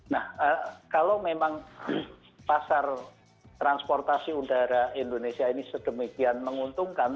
nah kalau memang pasar transportasi udara indonesia ini sedemikian menguntungkan